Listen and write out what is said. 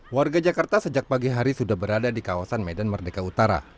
warga jakarta sejak pagi hari sudah berada di kawasan medan merdeka utara